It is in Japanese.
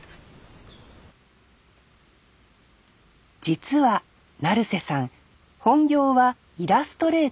実は成瀬さん本業はイラストレーター。